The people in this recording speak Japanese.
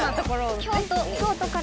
・京都から。